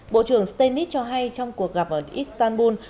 bộ trưởng stenis cho hay trong cuộc gặp ở istanbul